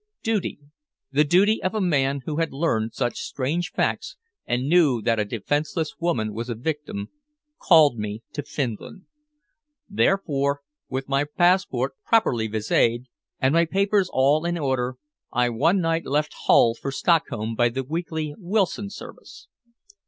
Duty the duty of a man who had learned strange facts and knew that a defenseless woman was a victim called me to Finland. Therefore, with my passport properly viséd and my papers all in order, I one night left Hull for Stockholm by the weekly Wilson service.